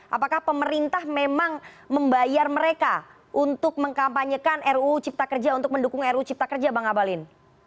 apakah pemerintah memang membayar mereka untuk mengkampanyekan ruu cipta kerja untuk mendukung ru cipta kerja bang abalin